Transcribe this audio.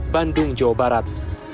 bandung jawa barat